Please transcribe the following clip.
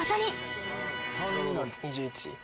２１。